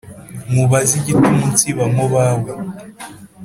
Nkubaze igituma unsiba mu bawe